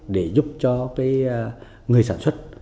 để giúp cho người sản xuất